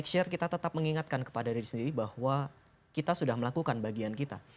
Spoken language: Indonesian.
share kita tetap mengingatkan kepada diri sendiri bahwa kita sudah melakukan bagian kita